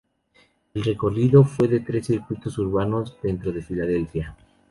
El recorrido fue de tres circuitos urbanos dentro de Filadelfia.